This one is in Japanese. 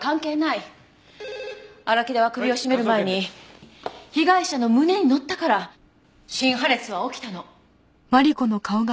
荒木田は首を絞める前に被害者の胸に乗ったから心破裂は起きたの。